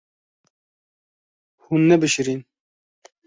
Hûn nebişirîn.